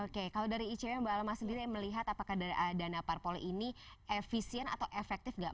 oke kalau dari icw mbak alma sendiri melihat apakah dana parpol ini efisien atau efektif nggak